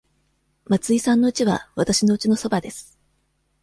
松井さんのうちはわたしのうちのそばです。